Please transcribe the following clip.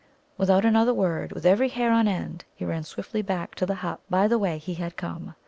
Without another word, with every hair on end, he ran swiftly back to the hut by the way he had come.